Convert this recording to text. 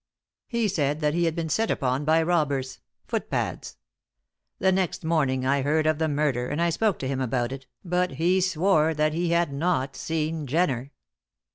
He said that he had been set upon by robbers footpads. The next morning I heard of the murder, and I spoke to him about it, but he swore that he had not seen Jenner."